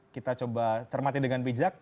kita coba cermati dengan bijak